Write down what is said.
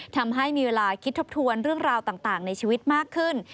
ทำให้มีเวลาคิดทบทวนเรื่องราวต่างในชีวิตมากขึ้น